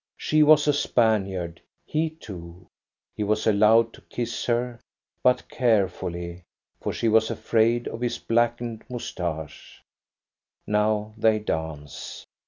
She was a Spaniard, he too. He was allowed to kiss her, but carefully, for she was afraid of his blackened moustache. Now they dance.